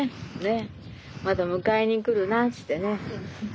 まだ迎えに来るなっつってね。